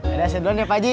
ya udah saya duluan ya pajik